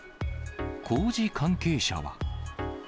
工事関係者は。